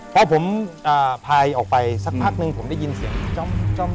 เพราะผมพายออกไปสักพักนึงผมได้ยินเสียงจ้อมจ้อม